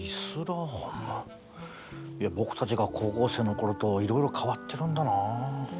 僕たちが高校生の頃といろいろ変わってるんだな。